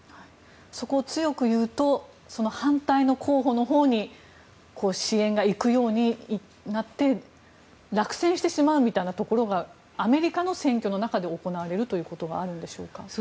そこを強く言うと反対の候補のほうに支援が行くようになって落選してしまうみたいなところがアメリカの選挙の中で行われることがあるんでしょうか？